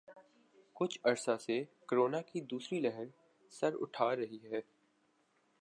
کچھ عرصہ سے کورونا کی دوسری لہر سر اٹھا رہی ہے